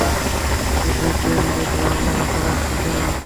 বিয়ের চেইন বেঁধে আমরা পালাচ্ছি কেন?